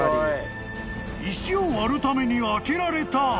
［石を割るために開けられた穴］